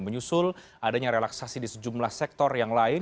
menyusul adanya relaksasi di sejumlah sektor yang lain